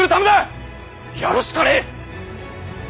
やるしかねぇ。